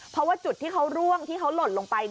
เพราะว่าจุดที่เขาร่วงที่เขาหล่นลงไป